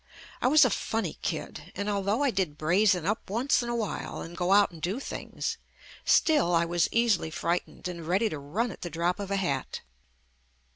I was a funny kid, and although I did brazen up once JUST ME in a while and go out and do things, still I was easily frightened and ready to run at the drop of a hat.